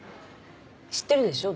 知ってるでしょ？